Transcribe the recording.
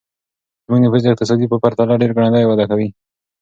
زموږ نفوس د اقتصاد په پرتله ډېر ګړندی وده کوي.